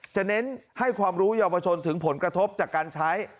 เน้นให้ความรู้เยาวชนถึงผลกระทบจากการใช้